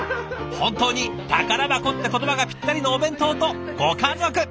本当に「宝箱」って言葉がぴったりのお弁当とご家族！